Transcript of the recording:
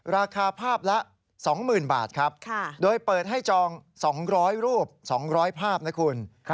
ราคาภาพละสองหมื่นบาทครับโดยเปิดให้จองสองร้อยรูปสองร้อยภาพนะคุณ